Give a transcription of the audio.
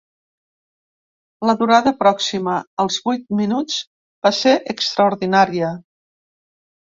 La durada pròxima als vuit minuts va ser extraordinària.